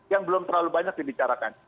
yang belum terlalu banyak dibicarakan